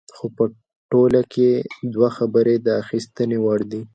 خو په ټوله کې دوه خبرې د اخیستنې وړ دي.